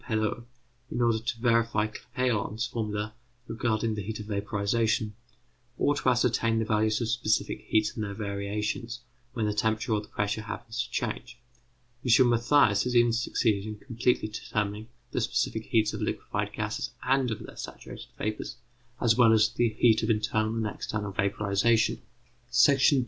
Perot, in order to verify Clapeyron's formula regarding the heat of vaporization, or to ascertain the values of specific heats and their variations when the temperature or the pressure happens to change. M. Mathias has even succeeded in completely determining the specific heats of liquefied gases and of their saturated vapours, as well as the heat of internal and external vaporization. § 2.